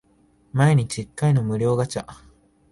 毎日一回の無料ガチャ